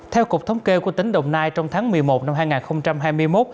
theo cục thống kê của tỉnh đồng nai trong tháng một mươi một năm hai nghìn hai mươi một